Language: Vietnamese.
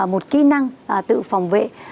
một kỹ năng tự phòng vệ